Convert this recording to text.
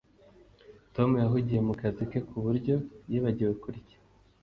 Tom yahugiye mu kazi ke ku buryo yibagiwe kurya